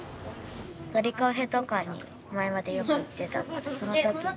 鳥カフェとかに前までよく行ってたのでその時に。